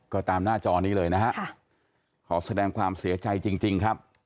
ก็ตามหน้าจอนี้เลยนะฮะขอแสดงความเสียใจจริงครับ